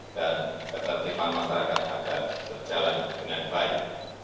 dan ketertiban masyarakat agar berjalan dengan baik